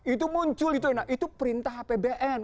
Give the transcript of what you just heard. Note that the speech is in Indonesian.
itu muncul itu perintah apbn